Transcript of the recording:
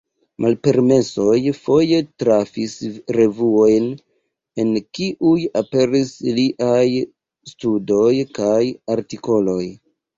Malpermesoj foje trafis revuojn, en kiuj aperis liaj studoj kaj artikoloj.